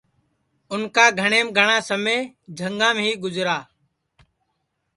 اُن کا گھٹؔیم گھٹؔا سمے جھنگام ہی گُجرا یہ انگرجے کُو لُٹی کن کھاتے تیے